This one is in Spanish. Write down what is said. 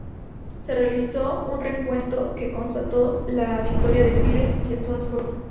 Se realizó un recuento que constató la victoria de Pires, de todas formas.